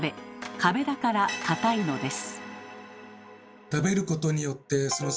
壁だから硬いのです。